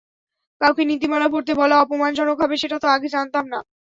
কাউকে নীতিমালা পড়তে বলা অপমানজনক হবে, সেটা তো আগে জানতাম না।